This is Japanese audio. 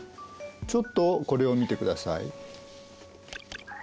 ちょっとこれを見てください。